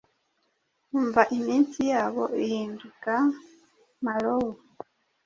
Umva imitsi yabo ihinduka Marowu